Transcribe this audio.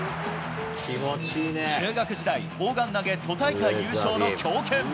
中学時代、砲丸投げ都大会優勝の強肩。